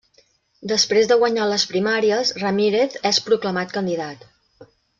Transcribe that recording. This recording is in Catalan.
Després de guanyar les primàries, Ramírez és proclamat candidat.